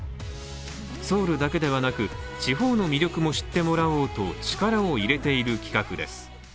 ソウルだけではなく、地方の魅力も知ってもらおうと力を入れている企画です。